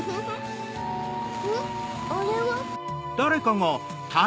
あれは。